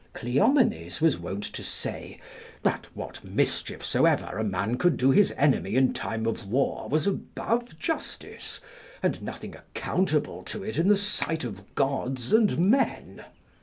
Cleomenes was wont to say, "that what mischief soever a man could do his enemy in time of war was above justice, and nothing accountable to it in the sight of gods and men."